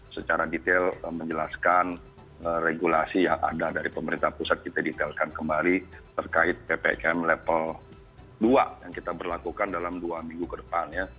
secara detail menjelaskan regulasi yang ada dari pemerintah pusat kita detailkan kembali terkait ppkm level dua yang kita berlakukan dalam dua minggu ke depan ya